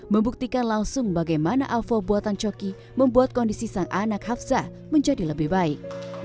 membuktikan langsung bagaimana avo buatan coki membuat kondisi sang anak hapsah menjadi lebih baik